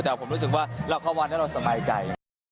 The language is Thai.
แต่ผมรู้สึกว่าเราเข้ามาน่าจะสบายใจ